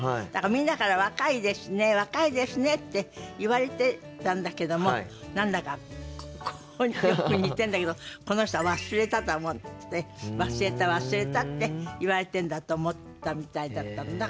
みんなから「若いですね若いですね」って言われてたんだけども何だかよく似てるんだけどこの人は「忘れた」と思って「忘れた忘れた」って言われてるんだと思ったみたいだったの。